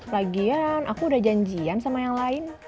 lagi ya aku udah janjian sama yang lain